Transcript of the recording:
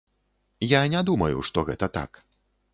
Я не думаю, што гэта так.